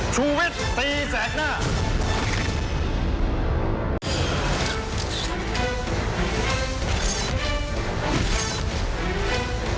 ชูเว็ตตีแสดหน้า